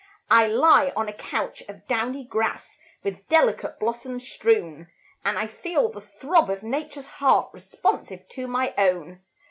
I lie on a couch of downy grass, With delicate blossoms strewn, And I feel the throb of Nature's heart Responsive to my own.